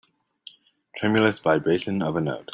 Tremulous vibration of a note.